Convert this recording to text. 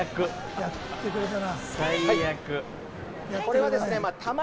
やってくれたな。